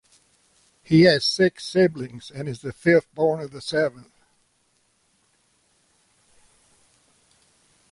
He has six siblings and is the fifth born of the seven.